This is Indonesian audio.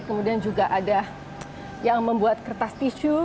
kemudian juga ada yang membuat kertas tisu